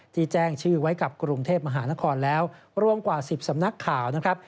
แจ้งชื่อไว้กับกรุงเทพมหานครแล้วรวมกว่า๑๐สำนักข่าวนะครับ